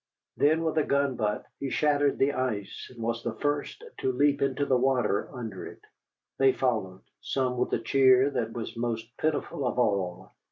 Then with a gun butt he shattered the ice and was the first to leap into the water under it. They followed, some with a cheer that was most pitiful of all.